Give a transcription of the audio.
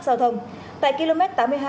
giao thông tại km tám mươi hai